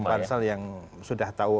pansel yang sudah tahu